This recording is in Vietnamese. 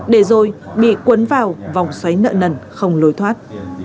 để rồi bị cuốn vào vòng xoáy nợ nần không lối thoát